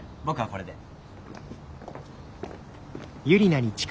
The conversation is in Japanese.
僕はこれで。